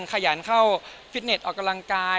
ขยันเข้าฟิตเน็ตออกกำลังกาย